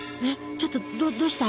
ちょっとどうした？